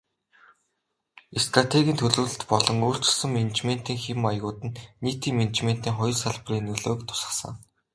Стратегийн төлөвлөлт болон өөрчилсөн менежментийн хэв маягууд нь нийтийн менежментийн хоёр салбарын нөлөөг тусгасан.